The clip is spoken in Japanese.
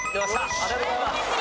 ありがとうございます。